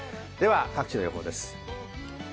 各地の予報です。